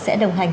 sẽ đồng hành